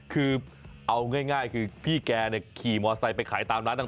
คือเอาง่ายคือพี่แกขี่มอไซค์ไปขายตามร้านต่าง